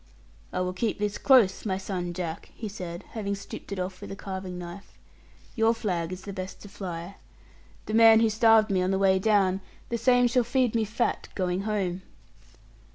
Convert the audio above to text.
'I will keep this close, my son Jack,' he said, having stripped it off with a carving knife; 'your flag is the best to fly. The man who starved me on the way down, the same shall feed me fat going home.'